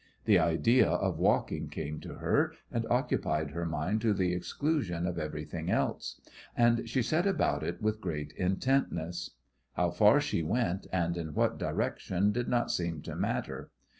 The idea of walking came to her, and occupied her mind to the exclusion of everything else, and she set about it with great intentness. How far she went and in what direction did not seem to matter.